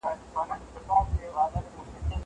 زه هره ورځ کاغذ ترتيب کوم!!